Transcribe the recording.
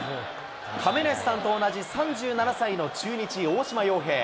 亀梨さんと同じ３７歳の中日、大島洋平。